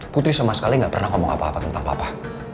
putri sama sekali gak pernah ngomong apa apa tentang papa